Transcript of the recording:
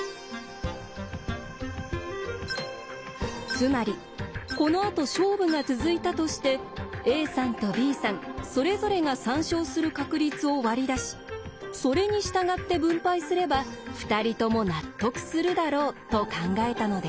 つまりこのあと勝負が続いたとしてＡさんとＢさんそれぞれが３勝する確率を割り出しそれに従って分配すれば２人とも納得するだろうと考えたのです。